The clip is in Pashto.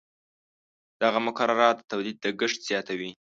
دغه مقررات د تولید لګښت زیاتوي.